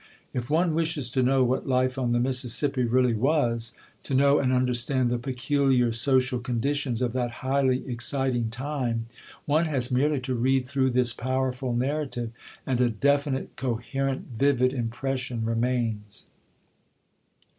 If one wishes to know what life on the Mississippi really was, to know and understand the peculiar social conditions of that highly exciting time, one has merely to read through this powerful narrative, and a definite, coherent, vivid impression remains.